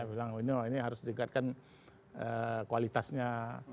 ini harus meningkatkan kualitasnya